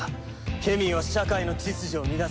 ケミーは社会の秩序を乱す。